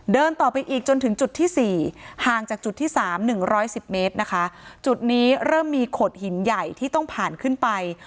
เดินต่อไปอีกจนถึงจุดที่๔ห่างจากจุดที่๓๑๑๐เมตรนะคะจุดนี้เริ่มมีขดหินใหญ่ที่ต้องผ่านขึ้นไป